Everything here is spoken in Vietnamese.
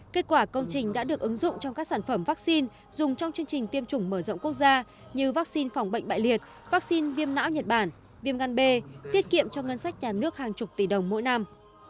kết quả công trình đã được ứng dụng trong các sản phẩm vaccine dùng trong chương trình tiêm chủng mở rộng quốc gia như vaccine phòng bệnh bại liệt vaccine viêm não nhật bản viêm gan b tiết kiệm cho ngân sách nhà nước hàng chục tỷ đồng mỗi năm